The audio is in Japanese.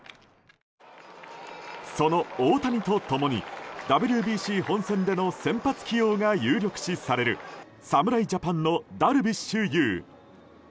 その大谷と共にＷＢＣ本戦での先発起用が有力視される侍ジャパンのダルビッシュ有。